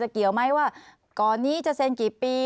เกี่ยวไหมว่าก่อนนี้จะเซ็นกี่ปี